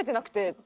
って。